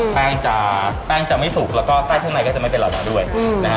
แป้งจะแป้งจะไม่ทุกข์และก็กล้ายทั้งในก็จะไม่เป็นราวได้ด้วยนะครับ